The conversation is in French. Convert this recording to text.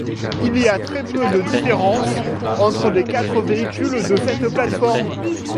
Il y a très peu de différences entre les quatre véhicules de cette plateforme.